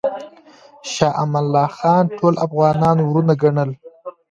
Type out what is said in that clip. شاه امان الله خان ټول افغانان وروڼه ګڼل.